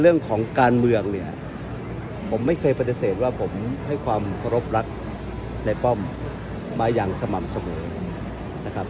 เรื่องของการเมืองเนี่ยผมไม่เคยปฏิเสธว่าผมให้ความเคารพรักในป้อมมาอย่างสม่ำเสมอนะครับ